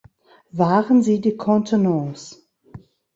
Wahren Sie die Contenance.